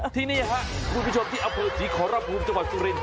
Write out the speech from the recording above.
ที่นี่ครับคุณผู้ชมที่อำเภอศรีขอรภูมิจังหวัดสุรินท